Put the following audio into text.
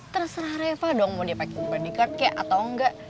terserah reva dong mau dia pakai bodyguard ya atau enggak